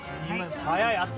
早い！